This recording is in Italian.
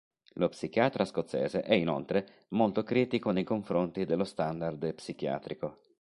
Lo psichiatra scozzese è inoltre molto critico nei confronti dello "standard" psichiatrico.